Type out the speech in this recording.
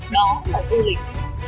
đó là du lịch